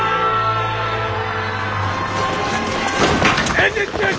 演説中止！